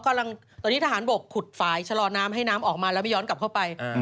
กำลังตอนนี้ทหารบกขุดฝ่ายชะลอน้ำให้น้ำออกมาแล้วไม่ย้อนกลับเข้าไป